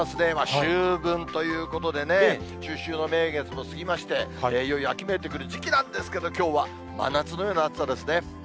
秋分ということでね、中秋の名月も過ぎまして、いよいよ秋めいてくる時期なんですけれども、きょうは真夏のような暑さですね。